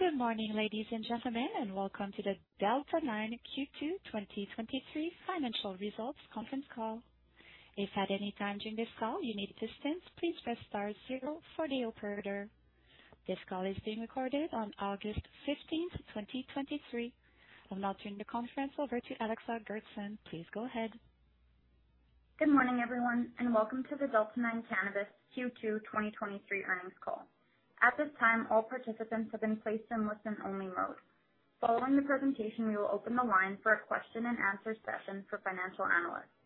Good morning, ladies and gentlemen, and welcome to the Delta 9 Q2 2023 Financial Results conference call. If at any time during this call you need assistance, please press star zero for the operator. This call is being recorded on August 15th, 2023. I'll now turn the conference over to Alexa Goertzen. Please go ahead. Good morning, everyone, Welcome to the Delta 9 Cannabis Q2 2023 earnings call. At this time, all participants have been placed in listen-only mode. Following the presentation, we will open the line for a question and answer session for financial analysts.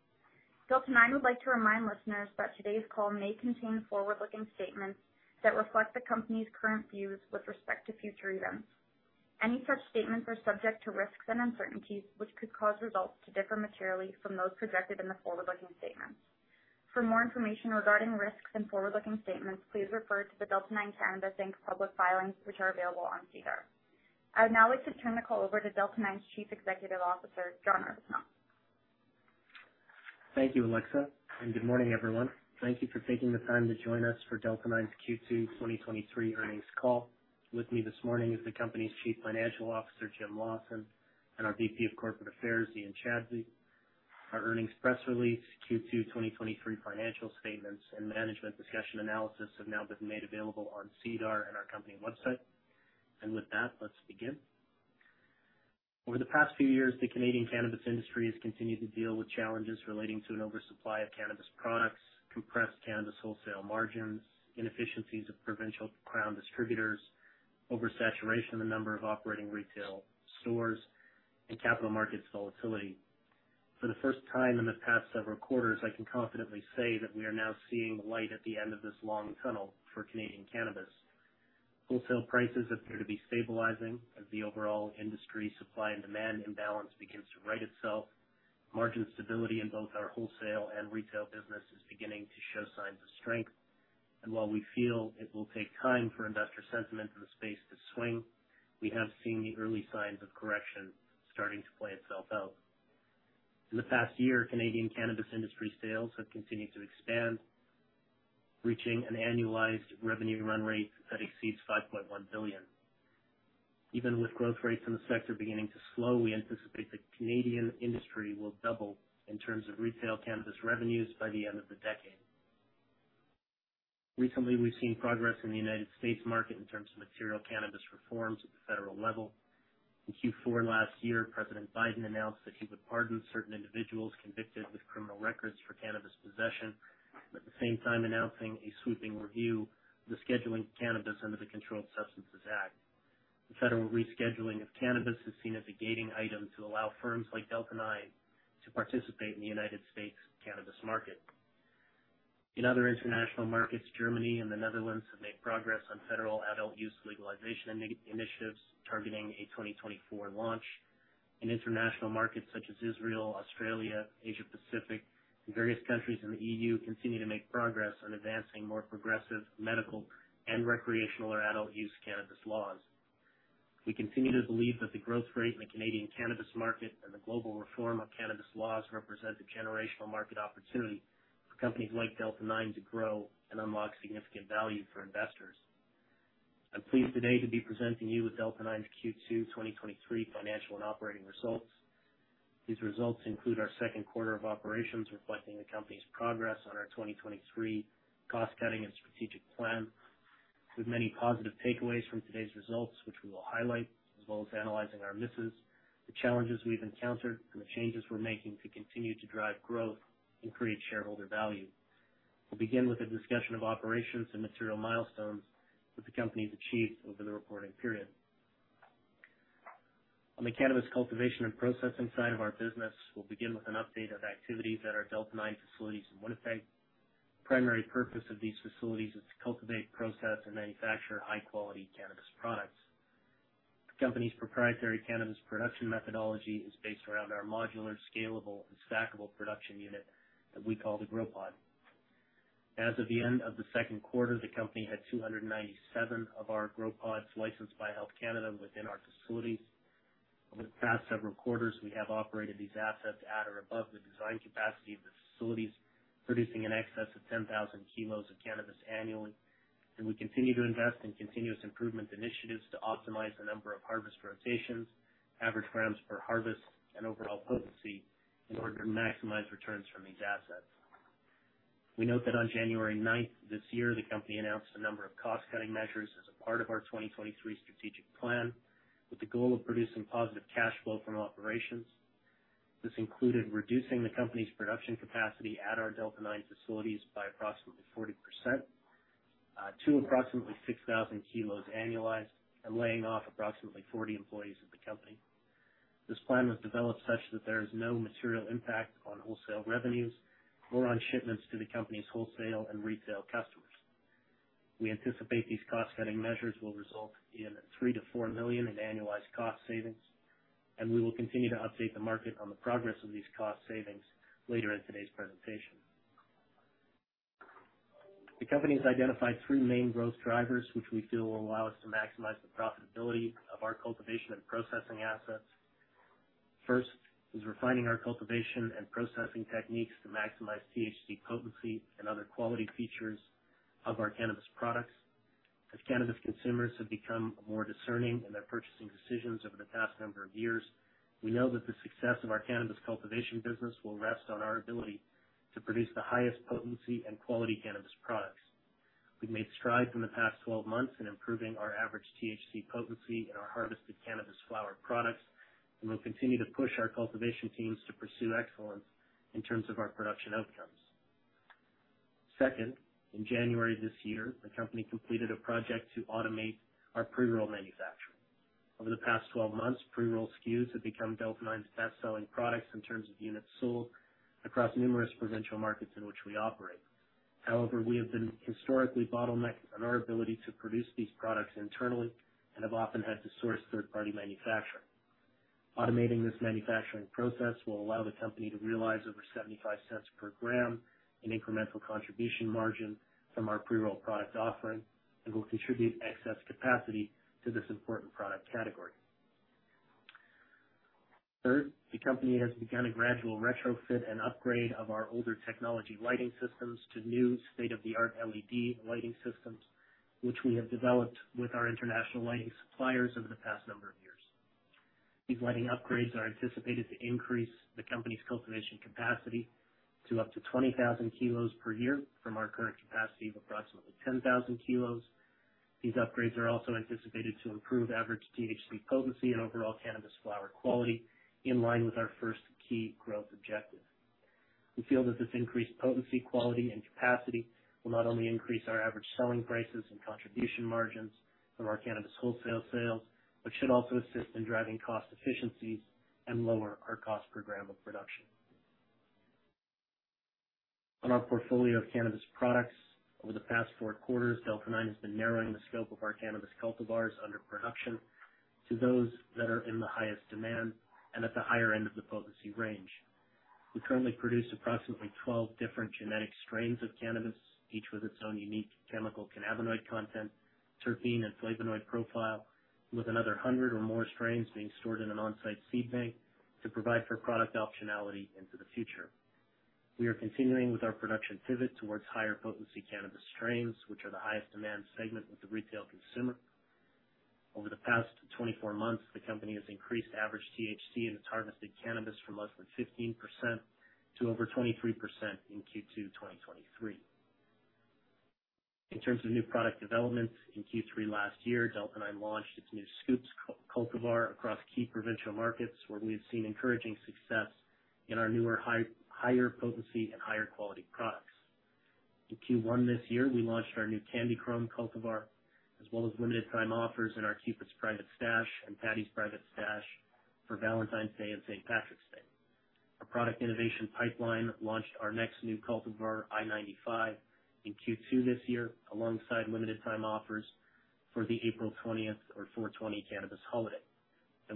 Delta 9 would like to remind listeners that today's call may contain forward-looking statements that reflect the company's current views with respect to future events. Any such statements are subject to risks and uncertainties, which could cause results to differ materially from those projected in the forward-looking statements. For more information regarding risks and forward-looking statements, please refer to the Delta 9 Cannabis Inc. public filings, which are available on SEDAR. I would now like to turn the call over to Delta 9's Chief Executive Officer, John Arbuthnot. Thank you, Alexa. Good morning, everyone. Thank you for taking the time to join us for Delta 9's Q2 2023 earnings call. With me this morning is the company's Chief Financial Officer, Jim Lawson, and our VP of Corporate Affairs, Ian Chadsey. Our earnings press release, Q2 2023 financial statements, and management discussion analysis have now been made available on SEDAR and our company website. With that, let's begin. Over the past few years, the Canadian cannabis industry has continued to deal with challenges relating to an oversupply of cannabis products, compressed cannabis wholesale margins, inefficiencies of provincial crown distributors, oversaturation of the number of operating retail stores, and capital markets volatility. For the first time in the past several quarters, I can confidently say that we are now seeing light at the end of this long tunnel for Canadian cannabis. Wholesale prices appear to be stabilizing as the overall industry supply and demand imbalance begins to right itself. Margin stability in both our wholesale and retail business is beginning to show signs of strength, and while we feel it will take time for investor sentiment in the space to swing, we have seen the early signs of correction starting to play itself out. In the past year, Canadian cannabis industry sales have continued to expand, reaching an annualized revenue run rate that exceeds 5.1 billion. Even with growth rates in the sector beginning to slow, we anticipate the Canadian industry will double in terms of retail cannabis revenues by the end of the decade. Recently, we've seen progress in the United States market in terms of material cannabis reforms at the federal level. In Q4 last year, President Biden announced that he would pardon certain individuals convicted with criminal records for cannabis possession, at the same time announcing a sweeping review of the scheduling of cannabis under the Controlled Substances Act. The federal rescheduling of cannabis is seen as a gating item to allow firms like Delta 9 to participate in the United States cannabis market. In other international markets, Germany and the Netherlands have made progress on federal adult use legalization initiatives, targeting a 2024 launch. In international markets such as Israel, Australia, Asia Pacific, and various countries in the EU, continue to make progress on advancing more progressive medical and recreational or adult use cannabis laws. We continue to believe that the growth rate in the Canadian cannabis market and the global reform of cannabis laws represent a generational market opportunity for companies like Delta 9 to grow and unlock significant value for investors. I'm pleased today to be presenting you with Delta 9's Q2 2023 financial and operating results. These results include our Q2 of operations, reflecting the company's progress on our 2023 cost-cutting and strategic plan, with many positive takeaways from today's results, which we will highlight, as well as analyzing our misses, the challenges we've encountered, and the changes we're making to continue to drive growth and create shareholder value. We'll begin with a discussion of operations and material milestones that the company's achieved over the reporting period. On the cannabis cultivation and processing side of our business, we'll begin with an update of activities at our Delta 9 facilities in Winnipeg. The Primary purpose of these facilities is to cultivate, process, and manufacture high-quality cannabis products. The company's proprietary cannabis production methodology is based around our modular, scalable, and stackable production unit that we call the Grow Pod. As of the end of the Q2, the company had 297 of our Grow Pods licensed by Health Canada within our facilities. Over the past several quarters, we have operated these assets at or above the design capacity of the facilities, producing in excess of 10,000 kilos of cannabis annually. We continue to invest in continuous improvement initiatives to optimize the number of harvest rotations, average grams per harvest, and overall potency in order to maximize returns from these assets. We note that on January ninth, this year, the company announced a number of cost-cutting measures as a part of our 2023 strategic plan, with the goal of producing positive cash flow from operations. This included reducing the company's production capacity at our Delta 9 facilities by approximately 40%, to approximately 6,000 kilos annualized, and laying off approximately 40 employees of the company. This plan was developed such that there is no material impact on wholesale revenues or on shipments to the company's wholesale and retail customers. We anticipate these cost-cutting measures will result in 3 million-4 million in annualized cost savings, and we will continue to update the market on the progress of these cost savings later in today's presentation. The company's identified three main growth drivers, which we feel will allow us to maximize the profitability of our cultivation and processing assets. First is refining our cultivation and processing techniques to maximize THC potency and other quality features of our cannabis products. As cannabis consumers have become more discerning in their purchasing decisions over the past number of years, we know that the success of our cannabis cultivation business will rest on our ability to produce the highest potency and quality cannabis products. We've made strides in the past 12 months in improving our average THC potency in our harvested cannabis flower products, and we'll continue to push our cultivation teams to pursue excellence in terms of our production outcomes. Second, in January this year, the company completed a project to automate our pre-roll manufacturing. Over the past 12 months, pre-roll SKUs have become Delta 9's best-selling products in terms of units sold across numerous provincial markets in which we operate. However, we have been historically bottlenecked on our ability to produce these products internally and have often had to source third-party manufacturing. Automating this manufacturing process will allow the company to realize over 0.75 per gram in incremental contribution margin from our pre-roll product offering and will contribute excess capacity to this important product category. Third, the company has begun a gradual retrofit and upgrade of our older technology lighting systems to new state-of-the-art LED lighting systems, which we have developed with our international lighting suppliers over the past number of years. These lighting upgrades are anticipated to increase the company's cultivation capacity to up to 20,000 kilos per year from our current capacity of approximately 10,000 kilos. These upgrades are also anticipated to improve average THC potency and overall cannabis flower quality, in line with our first key growth objective. We feel that this increased potency, quality, and capacity will not only increase our average selling prices and contribution margins from our cannabis wholesale sales, but should also assist in driving cost efficiencies and lower our cost per gram of production. On our portfolio of cannabis products, over the past 4 quarters, Delta 9 has been narrowing the scope of our cannabis cultivars under production to those that are in the highest demand and at the higher end of the potency range. We currently produce approximately 12 different genetic strains of cannabis, each with its own unique chemical cannabinoid content, terpene, and flavonoid profile, with another 100 or more strains being stored in an on-site seed bank to provide for product optionality into the future. We are continuing with our production pivot towards higher-potency cannabis strains, which are the highest demand segment with the retail consumer. Over the past 24 months, the company has increased average THC in its harvested cannabis from less than 15% to over 23% in Q2 2023. In terms of new product developments, in Q3 last year, Delta 9 launched its new Scoops cultivar across key provincial markets, where we have seen encouraging success in our newer higher potency and higher quality products. In Q1 this year, we launched our new Candy Chrome cultivar, as well as limited-time offers in our Cupid's Private Stash and Paddy's Private Stash for Valentine's Day and St. Patrick's Day. Our product innovation pipeline launched our next new cultivar, I-95, in Q2 this year, alongside limited time offers for the April 20th or 4/20 cannabis holiday.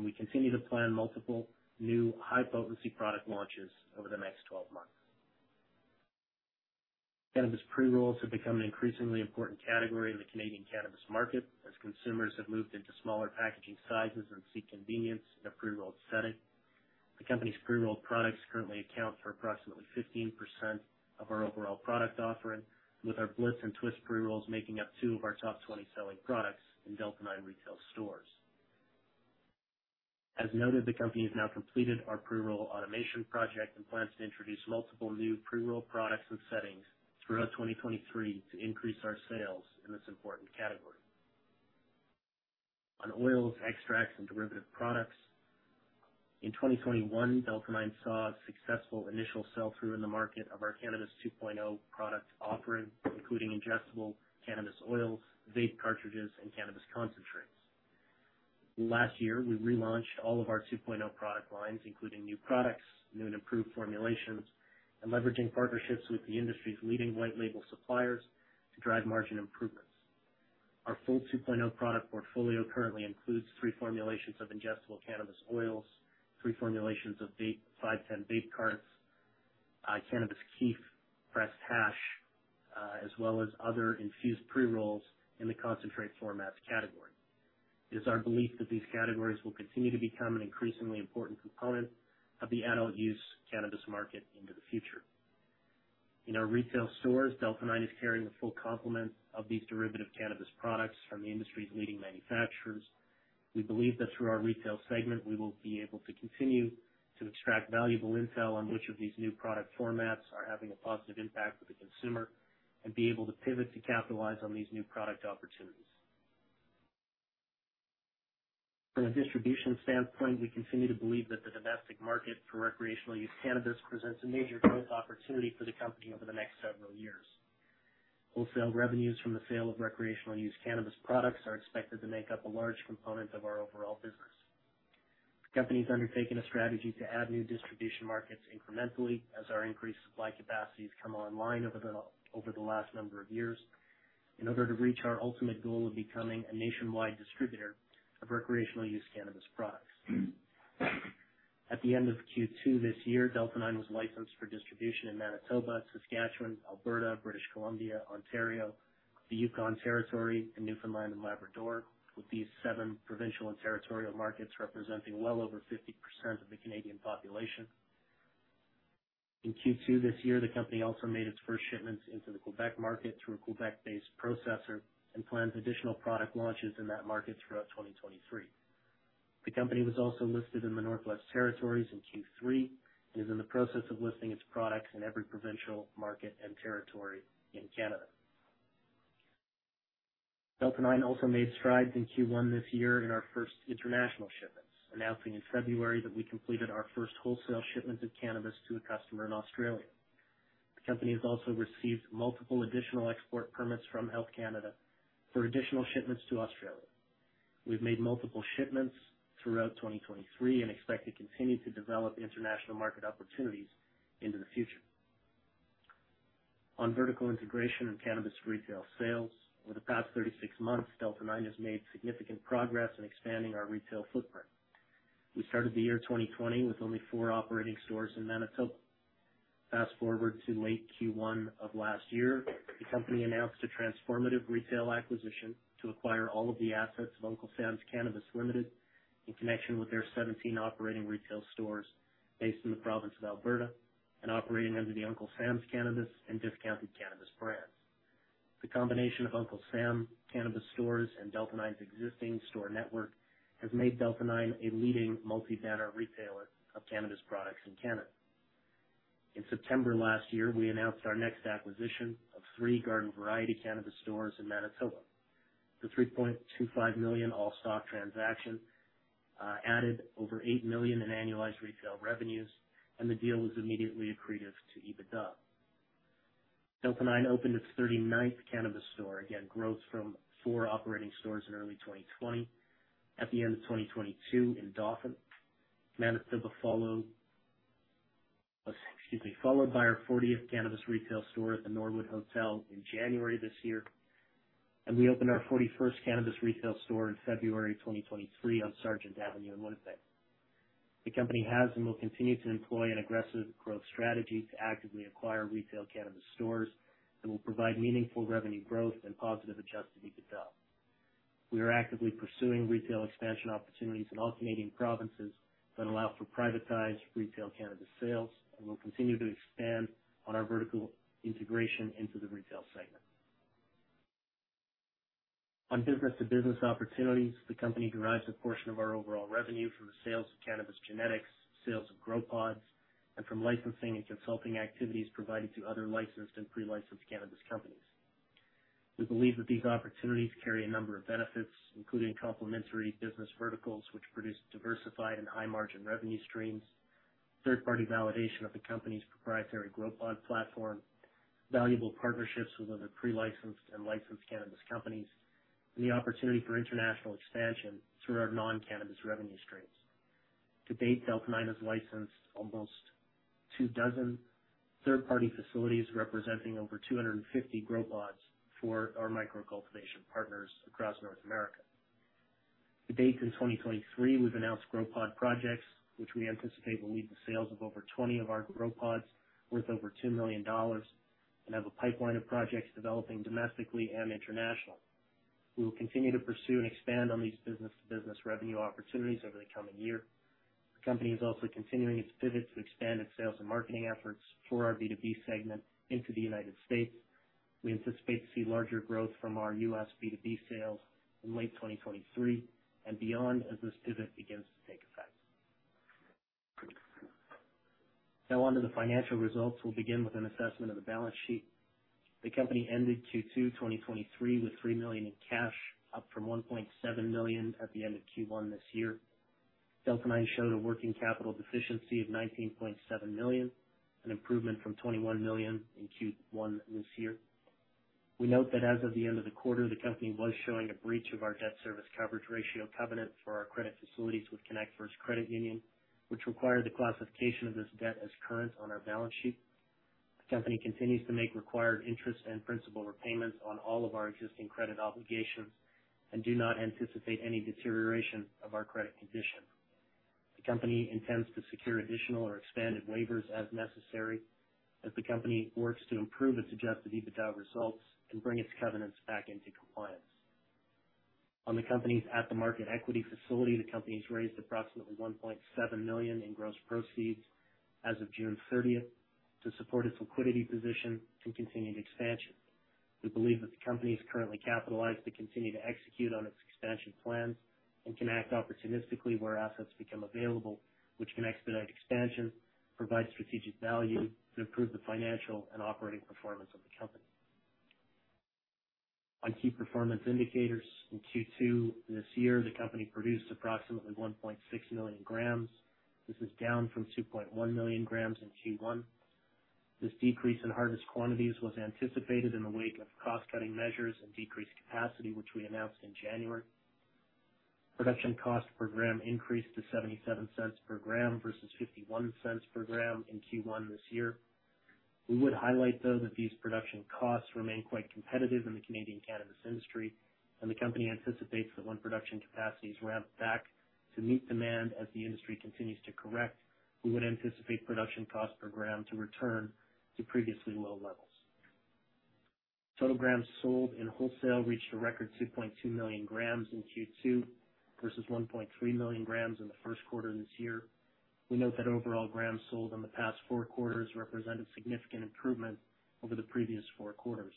We continue to plan multiple new high-potency product launches over the next 12 months. Cannabis pre-rolls have become an increasingly important category in the Canadian cannabis market as consumers have moved into smaller packaging sizes and seek convenience in a pre-rolled setting. The company's pre-rolled products currently account for approximately 15% of our overall product offering, with our Bliss and Twist pre-rolls making up two of our top 20 selling products in Delta 9 retail stores. As noted, the company has now completed our pre-roll automation project and plans to introduce multiple new pre-roll products and settings throughout 2023 to increase our sales in this important category. On oils, extracts, and derivative products, in 2021, Delta 9 saw a successful initial sell-through in the market of our Cannabis 2.0 product offering, including ingestible cannabis oils, vape cartridges, and cannabis concentrates. Last year, we relaunched all of our 2.0 product lines, including new products, new and improved formulations, and leveraging partnerships with the industry's leading white label suppliers to drive margin improvements. Our full 2.0 product portfolio currently includes 3 formulations of ingestible cannabis oils, 3 formulations of vape, 510 vape carts, cannabis kief, pressed hash, as well as other infused pre-rolls in the concentrate formats category. It is our belief that these categories will continue to become an increasingly important component of the adult use cannabis market into the future. In our retail stores, Delta 9 is carrying a full complement of these derivative cannabis products from the industry's leading manufacturers. We believe that through our retail segment, we will be able to continue to extract valuable intel on which of these new product formats are having a positive impact with the consumer and be able to pivot to capitalize on these new product opportunities. From a distribution standpoint, we continue to believe that the domestic market for recreational-use cannabis presents a major growth opportunity for the company over the next several years. Wholesale revenues from the sale of recreational use cannabis products are expected to make up a large component of our overall business. The company's undertaking a strategy to add new distribution markets incrementally as our increased supply capacities come online over the last number of years in order to reach our ultimate goal of becoming a nationwide distributor of recreational use cannabis products. At the end of Q2 this year, Delta 9 was licensed for distribution in Manitoba, Saskatchewan, Alberta, British Columbia, Ontario, the Yukon Territory and Newfoundland and Labrador, with these seven provincial and territorial markets representing well over 50% of the Canadian population. In Q2 this year, the company also made its first shipments into the Quebec market through a Quebec-based processor and plans additional product launches in that market throughout 2023. The company was also listed in the Northwest Territories in Q3 and is in the process of listing its products in every provincial market and territory in Canada. Delta 9 also made strides in Q1 this year in our first international shipments, announcing in February that we completed our first wholesale shipment of cannabis to a customer in Australia. The company has also received multiple additional export permits from Health Canada for additional shipments to Australia. We've made multiple shipments throughout 2023 and expect to continue to develop international market opportunities into the future. On vertical integration and cannabis retail sales, over the past 36 months, Delta 9 has made significant progress in expanding our retail footprint. We started the year 2020 with only 4 operating stores in Manitoba. Fast forward to late Q1 of last year, the company announced a transformative retail acquisition to acquire all of the assets of Uncle Sam's Cannabis Ltd., in connection with their 17 operating retail stores based in the province of Alberta and operating under the Uncle Sam's Cannabis and Discounted Cannabis brands. The combination of Uncle Sam Cannabis stores and Delta 9's existing store network has made Delta 9 a leading multi-banner retailer of cannabis products in Canada. In September last year, we announced our next acquisition of 3 Garden Variety cannabis stores in Manitoba. The 3.25 million all-stock transaction added over 8 million in annualized retail revenues, and the deal was immediately accretive to EBITDA. Delta 9 opened its 39th cannabis store, again, growth from four operating stores in early 2020. At the end of 2022 in Dauphin, Manitoba. Excuse me, followed by our 40th cannabis retail store at the Norwood Hotel in January this year, and we opened our 41st cannabis retail store in February 2023 on Sargent Avenue in Winnipeg. The company has and will continue to employ an aggressive growth strategy to actively acquire retail cannabis stores that will provide meaningful revenue growth and positive adjusted EBITDA. We are actively pursuing retail expansion opportunities in all Canadian provinces that allow for privatized retail cannabis sales, and we'll continue to expand on our vertical integration into the retail segment. On business-to-business opportunities, the company derives a portion of our overall revenue from the sales of cannabis genetics, sales of Grow Pods, and from licensing and consulting activities provided to other licensed and pre-licensed cannabis companies. We believe that these opportunities carry a number of benefits, including complementary business verticals, which produce diversified and high-margin revenue streams, third-party validation of the company's proprietary Grow Pod platform, valuable partnerships with other pre-licensed and licensed cannabis companies, and the opportunity for international expansion through our non-cannabis revenue streams. To date, Delta 9 has licensed almost 2 dozen third-party facilities, representing over 250 Grow Pods for our micro-cultivation partners across North America. To date, in 2023, we've announced Grow Pod projects, which we anticipate will lead to sales of over 20 of our Grow Pods, worth over 2 million dollars, and have a pipeline of projects developing domestically and internationally. We will continue to pursue and expand on these business-to-business revenue opportunities over the coming year. The company is also continuing its pivot to expand its sales and marketing efforts for our B2B segment into the United States. We anticipate to seeing larger growth from our U.S. B2B sales in late 2023 and beyond, as this pivot begins to take effect. Now, on to the financial results. We'll begin with an assessment of the balance sheet. The company ended Q2 2023 with 3 million in cash, up from 1.7 million at the end of Q1 this year. Delta 9 showed a working capital deficiency of 19.7 million, an improvement from 21 million in Q1 this year. We note that as of the end of the quarter, the company was showing a breach of our debt service coverage ratio covenant for our credit facilities with connectFirst Credit Union, which required the classification of this debt as current on our balance sheet. The company continues to make required interest and principal repayments on all of our existing credit obligations and do not anticipate any deterioration of our credit condition. The company intends to secure additional or expanded waivers as necessary as the company works to improve its adjusted EBITDA results and bring its covenants back into compliance. On the company's at-the-market equity facility, the company has raised approximately 1.7 million in gross proceeds as of June 30th to support its liquidity position and continued expansion. We believe that the company is currently capitalized to continue to execute on its expansion plans and can act opportunistically where assets become available, which can expedite expansion, provide strategic value, and improve the financial and operating performance of the company. On key performance indicators, in Q2 this year, the company produced approximately 1.6 million grams. This is down from 2.1 million grams in Q1. This decrease in harvest quantities was anticipated in the wake of cost-cutting measures and decreased capacity, which we announced in January. Production cost per gram increased to 0.77 per gram versus 0.51 per gram in Q1 this year. We would highlight, though, that these production costs remain quite competitive in the Canadian cannabis industry, and the company anticipates that when production capacity is ramped back. to meet demand as the industry continues to correct, we would anticipate production cost per gram to return to previously low levels. Total grams sold in wholesale reached a record 2.2 million grams in Q2, versus 1.3 million grams in Q1 this year. We note that overall grams sold in the past 4 quarters represented significant improvement over the previous 4 quarters.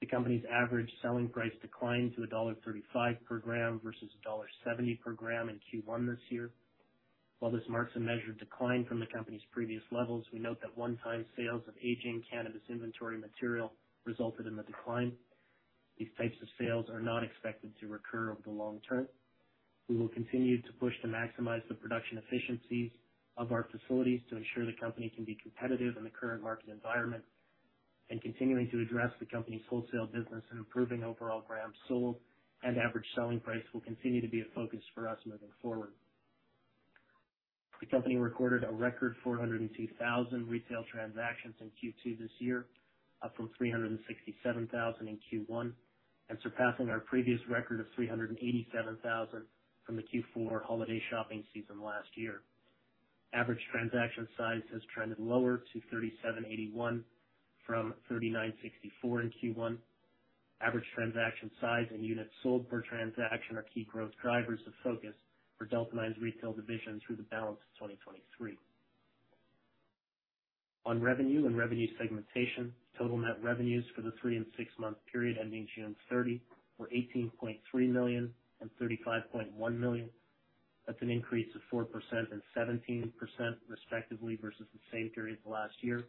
The company's average selling price declined to dollar 1.35 per gram versus dollar 1.70 per gram in Q1 this year. While this marks a measured decline from the company's previous levels, we note that one-time sales of aging cannabis inventory material resulted in the decline. These types of sales are not expected to recur over the long term. We will continue to push to maximize the production efficiencies of our facilities to ensure the company can be competitive in the current market environment, and continuing to address the company's wholesale business and improving overall grams sold and average selling price will continue to be a focus for us moving forward. The company recorded a record 402,000 retail transactions in Q2 this year, up from 367,000 in Q1, and surpassing our previous record of 387,000 from the Q4 holiday shopping season last year. Average transaction size has trended lower to 37.81 from 39.64 in Q1. Average transaction size and units sold per transaction are key growth drivers of focus for Delta 9's retail division through the balance of 2023. On revenue and revenue segmentation, total net revenues for the three and six-month period ending June 30, were 18.3 million and 35.1 million. That's an increase of 4% and 17%, respectively, versus the same period last year.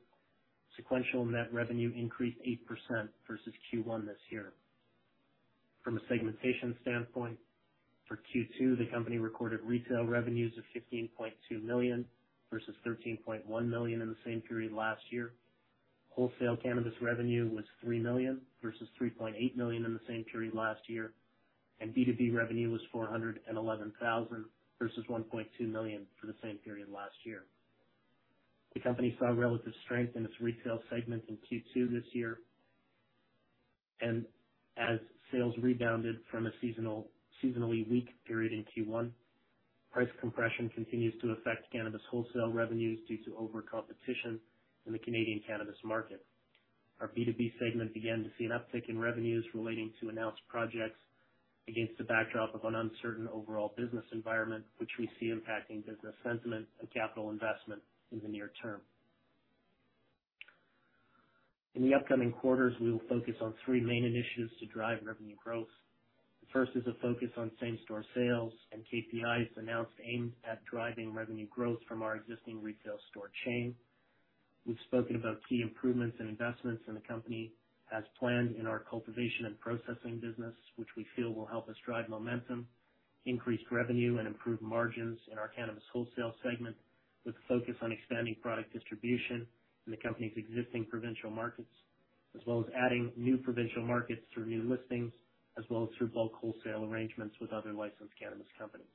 Sequential net revenue increased 8% versus Q1 this year. From a segmentation standpoint, for Q2, the company recorded retail revenues of 15.2 million, versus 13.1 million in the same period last year. Wholesale cannabis revenue was 3 million versus 3.8 million in the same period last year, and B2B revenue was 411,000, versus 1.2 million for the same period last year. The company saw relative strength in its retail segment in Q2 this year, and as sales rebounded from a seasonally weak period in Q1, price compression continues to affect cannabis wholesale revenues due to overcompetition in the Canadian cannabis market. Our B2B segment began to see an uptick in revenues relating to announced projects against the backdrop of an uncertain overall business environment, which we see impacting business sentiment and capital investment in the near term. In the upcoming quarters, we will focus on three main initiatives to drive revenue growth. The first is a focus on same-store sales and KPIs announced, aimed at driving revenue growth from our existing retail store chain. We've spoken about key improvements and investments, and the company has planned in our cultivation and processing business, which we feel will help us drive momentum, increase revenue, and improve margins in our cannabis wholesale segment, with a focus on expanding product distribution in the company's existing provincial markets, as well as adding new provincial markets through new listings, as well as through bulk wholesale arrangements with other licensed cannabis companies.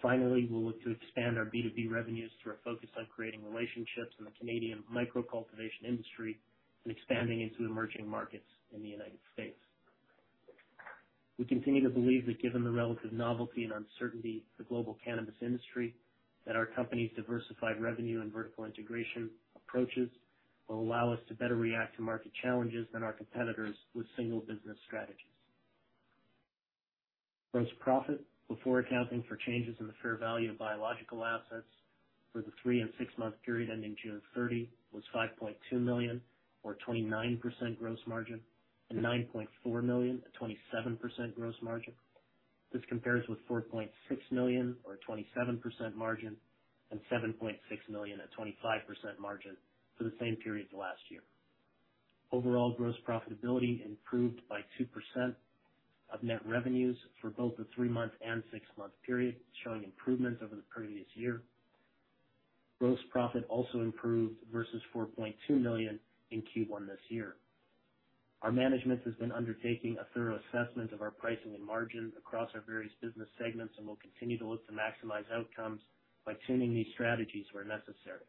Finally, we'll look to expand our B2B revenues through a focus on creating relationships in the Canadian micro-cultivation industry and expanding into emerging markets in the United States. We continue to believe that given the relative novelty and uncertainty of the global cannabis industry, that our company's diversified revenue and vertical integration approaches will allow us to better react to market challenges than our competitors with single business strategies. Gross profit, before accounting for changes in the fair value of biological assets for the three and six-month period ending June 30, was 5.2 million, or 29% gross margin, and 9.4 million, a 27% gross margin. This compares with 4.6 million, or a 27% margin, and 7.6 million at 25% margin for the same period last year. Overall, gross profitability improved by 2% of net revenues for both the three-month and six-month period, showing improvements over the previous year. Gross profit also improved versus 4.2 million in Q1 this year. Our management has been undertaking a thorough assessment of our pricing and margins across our various business segments, and we'll continue to look to maximize outcomes by tuning these strategies where necessary.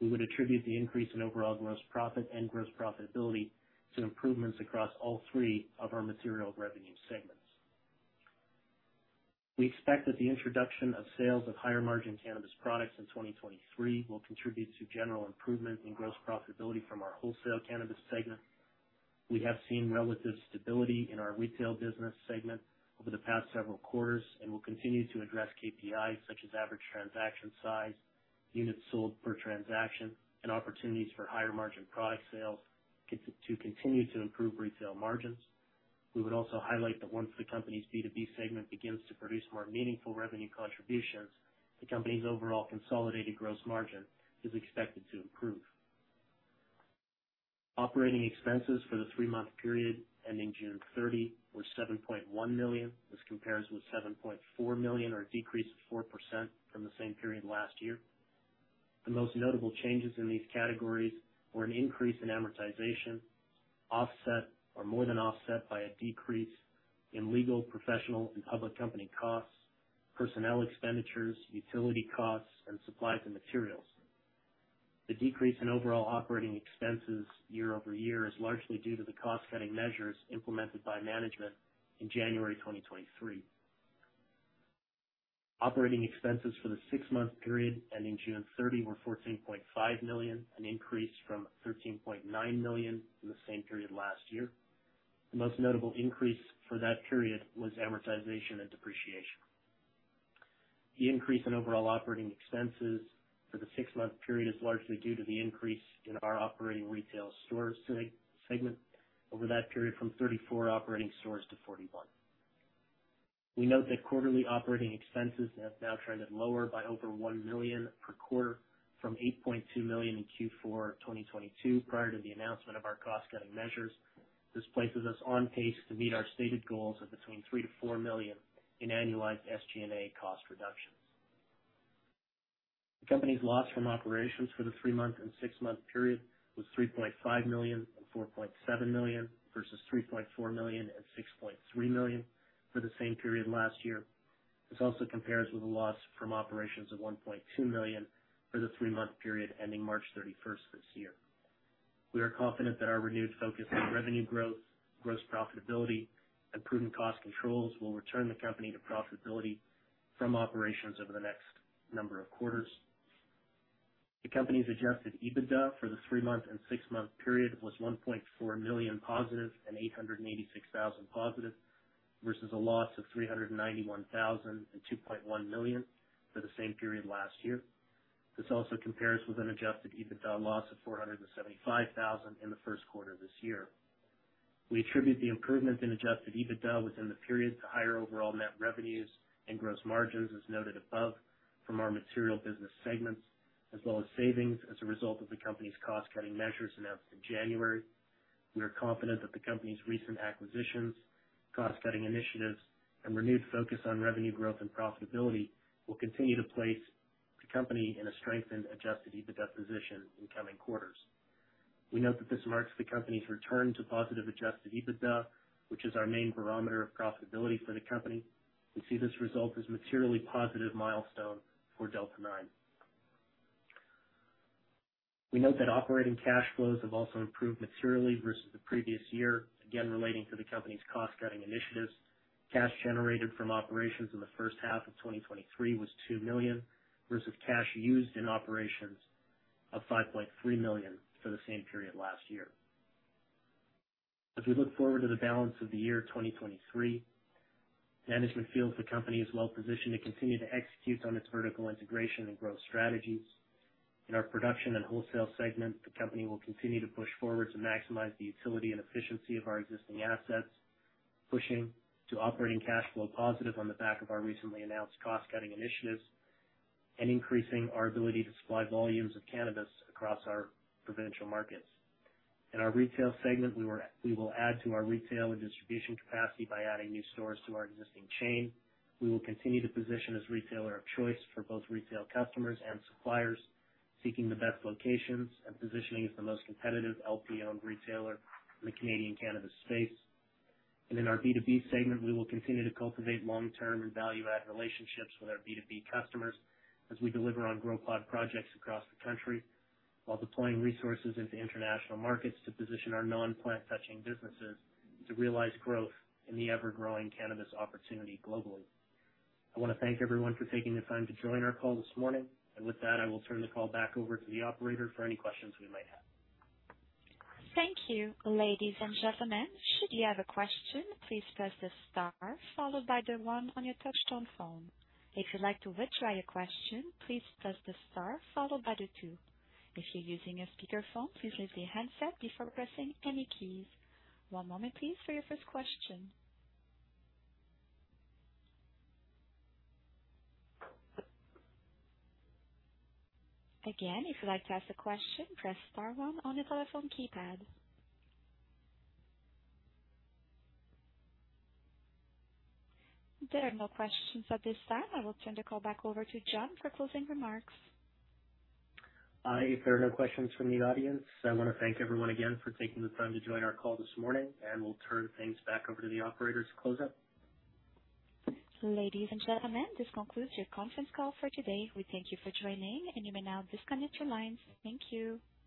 We would attribute the increase in overall gross profit and gross profitability to improvements across all 3 of our material revenue segments. We expect that the introduction of sales of higher-margin cannabis products in 2023 will contribute to general improvement in gross profitability from our wholesale cannabis segment. We have seen relative stability in our retail business segment over the past several quarters and will continue to address KPIs such as average transaction size, units sold per transaction, and opportunities for higher-margin product sales to continue to improve retail margins. We would also highlight that once the company's B2B segment begins to produce more meaningful revenue contributions, the company's overall consolidated gross margin is expected to improve. Operating expenses for the 3-month period ending June 30 were 7.1 million. This compares with 7.4 million, or a decrease of 4% from the same period last year. The most notable changes in these categories were an increase in amortization, offset or more than offset by a decrease in legal, professional, and public company costs, personnel expenditures, utility costs, and supplies and materials. The decrease in overall operating expenses year-over-year is largely due to the cost-cutting measures implemented by management in January 2023. Operating expenses for the six-month period ending June 30 were 14.5 million, an increase from 13.9 million in the same period last year. The most notable increase for that period was amortization and depreciation. The increase in overall operating expenses for the six-month period is largely due to the increase in our operating retail stores segment over that period, from 34 operating stores to 41. We note that quarterly operating expenses have now trended lower by over 1 million per quarter from 8.2 million in Q4 2022 prior to the announcement of our cost-cutting measures. This places us on pace to meet our stated goals of between 3 million-4 million in annualized SG&A cost reductions. The company's loss from operations for the three-month and six-month period was 3.5 million and 4.7 million, versus 3.4 million and 6.3 million for the same period last year. This also compares with a loss from operations of 1.2 million for the three-month period ending March 31st this year. We are confident that our renewed focus on revenue growth, gross profitability, and prudent cost controls will return the company to profitability from operations over the next number of quarters. The company's adjusted EBITDA for the three-month and six-month period was 1.4 million positive and 886,000 positive, versus a loss of 391,000 and 2.1 million for the same period last year. This also compares with an adjusted EBITDA loss of 475,000 in Q1 this year. We attribute the improvement in adjusted EBITDA within the period to higher overall net revenues and gross margins, as noted above from our material business segments, as well as savings as a result of the company's cost-cutting measures announced in January. We are confident that the company's recent acquisitions, cost-cutting initiatives, and renewed focus on revenue growth and profitability will continue to place the company in a strengthened, adjusted EBITDA position in coming quarters. We note that this marks the company's return to positive adjusted EBITDA, which is our main barometer of profitability for the company. We see this result as a materially positive milestone for Delta 9. We note that operating cash flows have also improved materially versus the previous year, again, relating to the company's cost-cutting initiatives. Cash generated from operations in the first half of 2023 was 2 million, versus cash used in operations of 5.3 million for the same period last year. As we look forward to the balance of the year 2023, management feels the company is well positioned to continue to execute on its vertical integration and growth strategies. In our production and wholesale segment, the company will continue to push forward to maximize the utility and efficiency of our existing assets, pushing to operating cash flow positive on the back of our recently announced cost-cutting initiatives and increasing our ability to supply volumes of cannabis across our provincial markets. In our retail segment, we will add to our retail and distribution capacity by adding new stores to our existing chain. We will continue to position as retailer of choice for both retail customers and suppliers, seeking the best locations and positioning as the most competitive LP-owned retailer in the Canadian cannabis space. In our B2B segment, we will continue to cultivate long-term and value-add relationships with our B2B customers as we deliver on Grow Pod projects across the country, while deploying resources into international markets to position our non-plant touching businesses to realize growth in the ever-growing cannabis opportunity globally. I want to thank everyone for taking the time to join our call this morning. With that, I will turn the call back over to the operator for any questions we might have. Thank you, ladies and gentlemen. Should you have a question, please press the star followed by the one on your touch-tone phone. If you'd like to withdraw your question, please press the star followed by the two. If you're using a speakerphone, please lift your handset before pressing any keys. One moment, please, for your first question. Again, if you'd like to ask a question, press star one on your telephone keypad. There are no questions at this time. I will turn the call back over to John for closing remarks. If there are no questions from the audience, I want to thank everyone again for taking the time to join our call this morning, and we'll turn things back over to the operator to close up. Ladies and gentlemen, this concludes your conference call for today. We thank you for joining, and you may now disconnect your lines. Thank you.